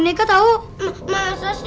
tidak ada yang bisa dipercaya